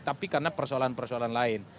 tapi karena persoalan persoalan lain